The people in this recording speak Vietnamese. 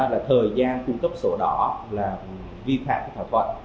là thời gian cung cấp sổ đỏ là vi phạm cái thỏa thuận